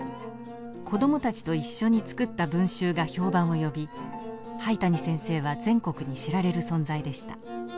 子供たちと一緒に作った文集が評判を呼び灰谷先生は全国に知られる存在でした。